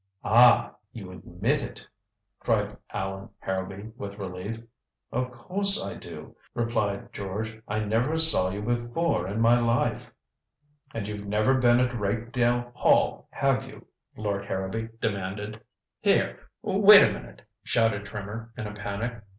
"Ah you admit it," cried Allan Harrowby with relief. "Of course I do," replied George. "I never saw you before in my life." "And you've never been at Rakedale Hall, have you?" Lord Harrowby demanded. "Here wait a minute " shouted Trimmer, in a panic.